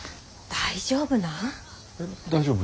大丈夫なん？